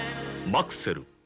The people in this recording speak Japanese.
マクセル」。